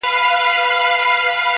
زلزله به یې په کور کي د دښمن سي-